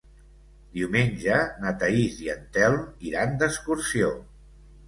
Diumenge na Thaís i en Telm iran d'excursió.